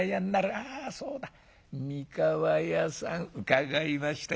あそうだ三河屋さん伺いましたよ。